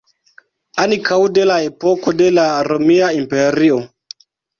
Ankaŭ de la epoko de la Romia Imperio.